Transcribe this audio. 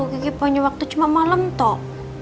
gigi punya waktu cuma malam tok